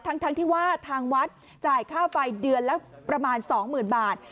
ทั้งที่ว่าทางวัดจ่ายค่าไฟเดือนละประมาณ๒๐๐๐บาท